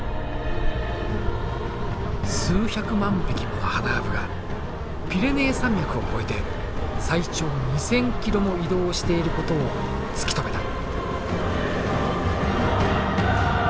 数百万匹ものハナアブがピレネー山脈を越えて最長２，０００ｋｍも移動をしていることを突き止めた。